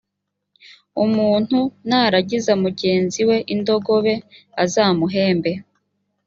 umuntu naragiza mugenzi we indogobe azamuhembe